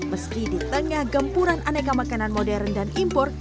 meski di tengah gempuran aneka makanan modern dan impor